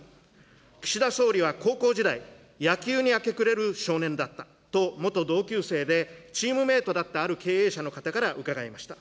岸田総理は高校時代、野球に明け暮れる少年だったと、元同級生でチームメートだったある経営者の方から伺いました。